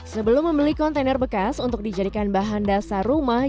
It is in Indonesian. sebelum membeli kontainer bekas untuk dijadikan bahan dasar rumah